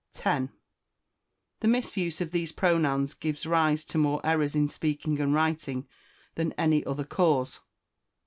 10. The misuse of these pronouns gives rise to more errors in speaking and writing than any other cause.